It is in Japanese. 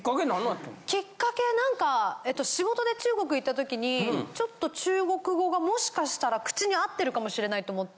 きっかけは何か仕事で中国行った時にちょっと中国語がもしかしたら口に合ってるかもしれないと思って。